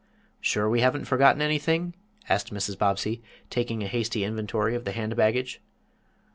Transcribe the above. "Sure we haven't forgotten anything?" asked Mrs. Bobbsey, taking a hasty inventory of the hand baggage.